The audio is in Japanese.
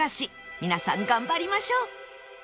皆さん頑張りましょう！